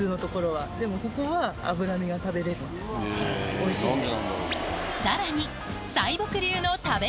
おいしいです。